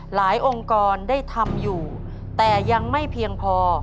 องค์กรได้ทำอยู่แต่ยังไม่เพียงพอ